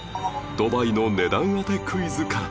ドバイの値段当てクイズから